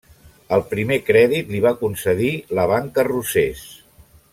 El primer crèdit li va concedir la Banca Rosés.